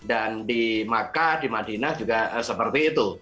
dan di maka di madinah juga seperti itu